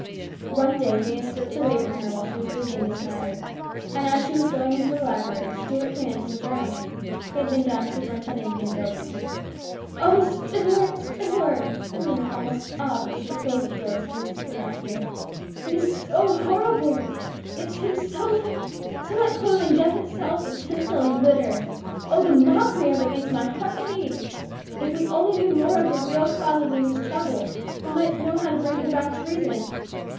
One day Rhena slipped away from her while she was busy in this manner, and as she was going into the library, Stuart came in from the drawing room. He had been down superintending the new building. "Oh, Stuart, Stuart!" Rhena almost sobbed as she closed the door so that Louise could not hear, " it is so horrible ! It seems so like so like clothing Death itself in tinsel and glitter. Oh, the mockery of it makes my heart ache ! If we only knew more of the real cause of Louise's trouble, we might know how to bring her back to reason